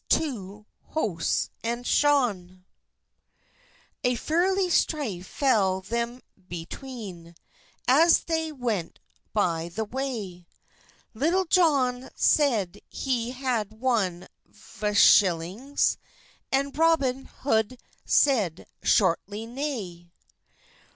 to hose and shone. A ferly strife fel them betwene, As they went bi the way; Litull Johne seid he had won v shyllyngs, And Robyn Hode seid schortly nay.